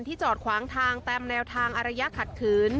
จอดขวางทางตามแนวทางอารยะขัดขืน